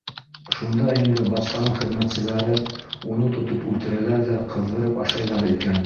Шунда инде батшаның хеҙмәтселәре уны тотоп үлтерәләр ҙә ҡыҙҙырып ашайҙар икән.